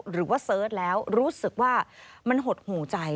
หรือว่าเสิร์ชแล้วรู้สึกว่ามันหดหูใจ